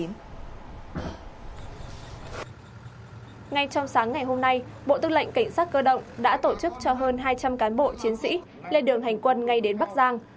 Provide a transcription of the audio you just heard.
ngay trong sáng ngày hôm nay bộ tư lệnh cảnh sát cơ động đã tổ chức cho hơn hai trăm linh cán bộ chiến sĩ lên đường hành quân ngay đến bắc giang